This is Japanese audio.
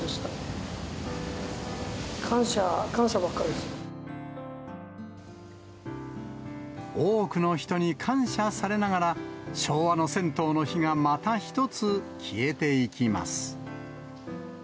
もう本当、多くの人に感謝されながら、昭和の銭湯の火がまた一つ消えていきます。